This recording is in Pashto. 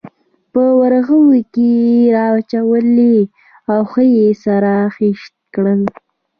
په ورغوي کې یې واچولې او ښه یې سره خیشته کړل.